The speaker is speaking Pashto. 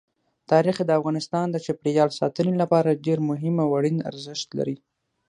تاریخ د افغانستان د چاپیریال ساتنې لپاره ډېر مهم او اړین ارزښت لري.